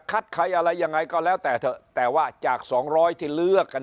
ใครอะไรยังไงก็แล้วแต่เถอะแต่ว่าจากสองร้อยที่เลือกกัน